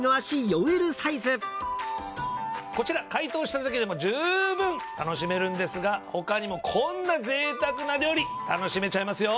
こちら解凍しただけでもじゅうぶん楽しめるんですが他にもこんなぜいたくな料理楽しめちゃいますよ。